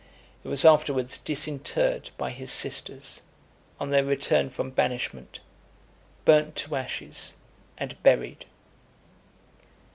It was afterwards disinterred by his sisters, on their return from banishment, burnt to ashes, and buried.